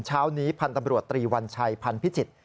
เช้านี้พันธ์ตำรวจตรีวัญชัยพันธ์พิจิตร